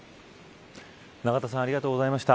永田さんありがとうございました。